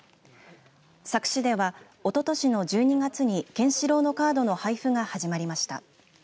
佐久市ではおととしの１２月にケンシロウのカードの配布が始まりました。